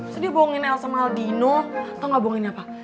terus dia bohongin el sama aldino tau gak bohongin apa